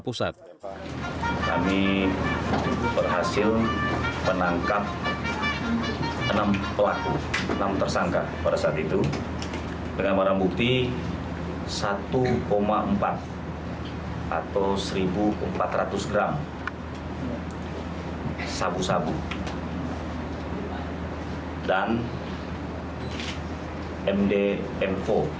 kami berhasil menangkap enam pelaku enam tersangka pada saat itu dengan barang bukti satu empat atau satu empat ratus gram sabu sabu dan mdm empat